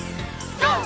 ＧＯ！